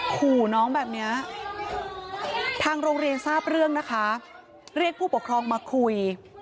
ขู่น้องแบบนี้ทางโรงเรียนทราบเรื่องนะคะเรียกผู้ปกครองมาคุย